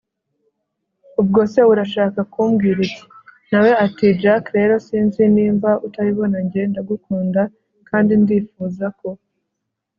ubwo se urashaka kumbwira iki!? nawe ati jack rero sinzi nimba utabibona njye ndagukunda kandi ndifuza ko